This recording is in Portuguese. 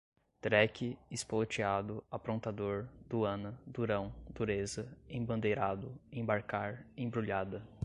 dreque, espolotiado, aprontador, duana, durão, dureza, embandeirado, embarcar, embrulhada